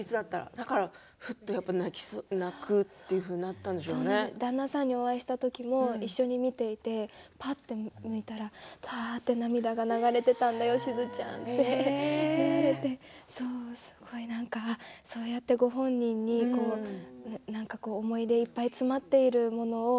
だから泣くというふうになったんで旦那さんにお会いした時も一緒に見ていって、ぱっと見たらばーっと涙が流れていたんだしずちゃんっておっしゃっていてそうやってご本人に思い入れいっぱい詰まっているもの